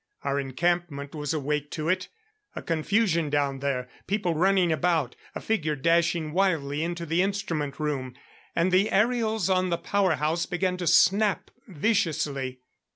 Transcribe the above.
Our encampment was awake to it! A confusion down there; people running about; a figure dashing wildly into the instrument room. And the aerials on the power house began to snap viciously.